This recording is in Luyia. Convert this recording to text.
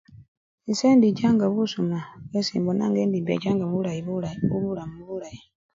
Ise indichanga busuma bwesi mbona nga embechanga bulayi bulayi mubulamu bulayi.